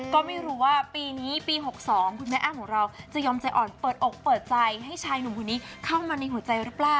ก็ไม่รู้ว่าปีนี้ปี๖๒คุณแม่อ้ำของเราจะยอมใจอ่อนเปิดอกเปิดใจให้ชายหนุ่มคนนี้เข้ามาในหัวใจหรือเปล่า